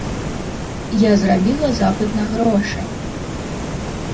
Я зрабіла запыт на грошы.